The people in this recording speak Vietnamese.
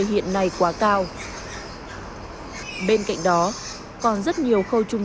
ghi nhận vào ngày tám tháng bốn